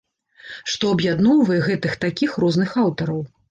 Што аб'ядноўвае гэтых такіх розных аўтараў?